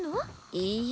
いいえ。